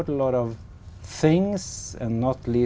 anh chia sẻ